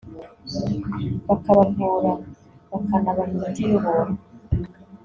bakabavura bakanabaha imiti y’ubuntu